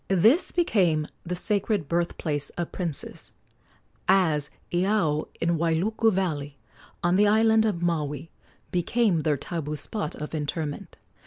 This became the sacred birth place of princes, as Iao, in Wailuku valley, on the island of Maui, became their tabu spot of interment.